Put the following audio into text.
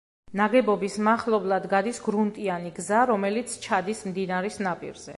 ნაგებობის მახლობლად გადის გრუნტიანი გზა, რომელიც ჩადის მდინარის ნაპირზე.